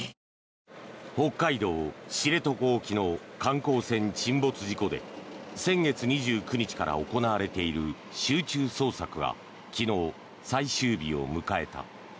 北海道・知床沖の観光船沈没事故で先月２９日から行われている集中捜索が昨日、最終日を迎えた。